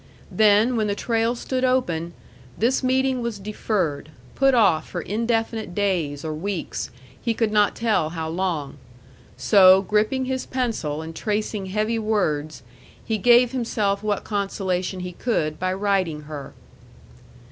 Then, when the trail stood open, this meeting was deferred, put off for indefinite days, or weeks; he could not tell how long. So, gripping his pencil and tracing heavy words, he gave himself what consolation he could by writing her.